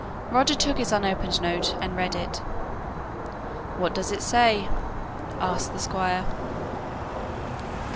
Roger took his unopened note and read it. "What does he say?" asked the Squire.